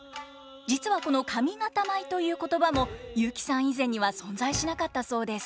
実はこの上方舞という言葉も雄輝さん以前には存在しなかったそうです。